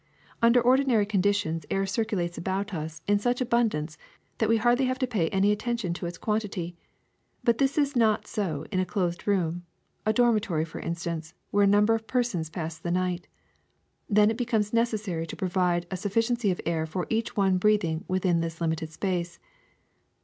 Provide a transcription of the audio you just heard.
^^ Under ordinary conditions air circulates about us in such abundance that we hardly have to pay any attention to its quantity ; but this is not so in a closed room, a dormitory for instance, where a number of persons pass the night. Then it becomes necessary to provide a sufficiency of air for each one breathing within this limited space.